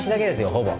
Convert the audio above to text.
ほぼ。